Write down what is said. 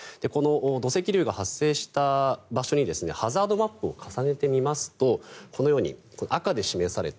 土石流が発生した場所にハザードマップを重ねてみますとこのように赤で示された